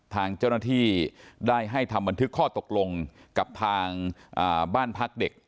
ทางเจ้าหน้าที่ได้ให้ทำบันทึกข้อตกลงกับทางบ้านพักเด็ก